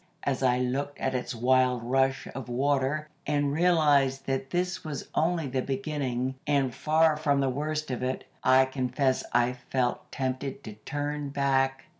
As I looked at its wild rush of water, and realized that this was only the beginning, and far from the worst of it, I confess I felt tempted to turn back.